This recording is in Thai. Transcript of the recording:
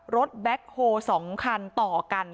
แบ็คโฮ๒คันต่อกัน